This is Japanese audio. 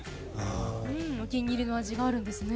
お気に入りの味があるんですね。